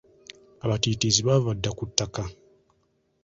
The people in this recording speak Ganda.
Abatiitiizi baava dda ku ttaka.